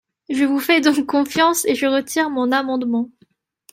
Je vous fais donc confiance et je retire mon amendement.